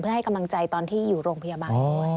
เพื่อให้กำลังใจตอนที่อยู่โรงพยาบาล